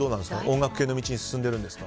音楽系の道に進んでるんですか。